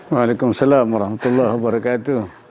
waalaikumsalam alhamdulillah wabarakatuh